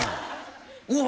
うわ！